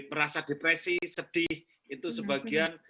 merasa depresi sedih itu sebagian